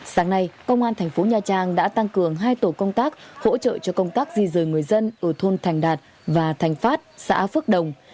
sáng nay công an thành phố nha trang đã tăng cường hai tổ công tác hỗ trợ cho công tác di rời người dân ở thôn thành đạt và thành phát xã phước đồng